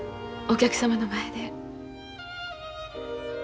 お客様の前で。